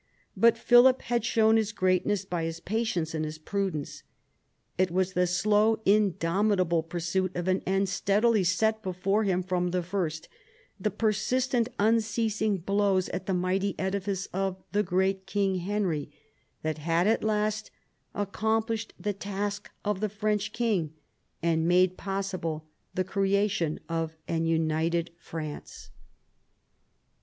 But Philip had shown his greatness by his patience and his prudence. It was the slow indomitable pursuit of an end steadily set before him from the first — the persistent unceasing blows at the mighty edifice of the great King Henry — that had at last accomplished the task of the French king, and made possible the creation of an united France.